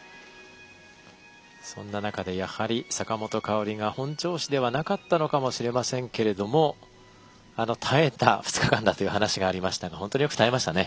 そんな中でやはり坂本花織が本調子ではなかったのかもしれませんけれども耐えた２日かんだという話がありましたが本当に力がありましたね。